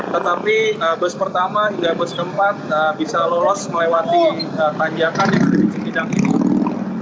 tetapi bus pertama hingga bus keempat bisa lolos melewati tanjakan yang ada di bidang ini